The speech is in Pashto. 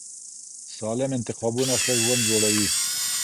سالم انتخابونه ښه ژوند جوړوي.